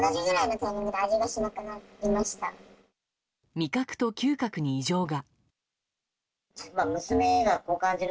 味覚と嗅覚に異常が。